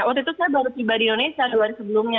waktu itu saya baru tiba di indonesia dua hari sebelumnya